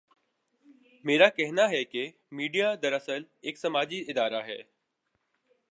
میرا کہنا ہے کہ میڈیا دراصل ایک سماجی ادارہ ہے۔